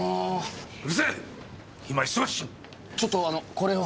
ちょっとあのこれを。